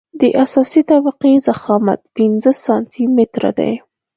د اساسي طبقې ضخامت پنځه سانتي متره دی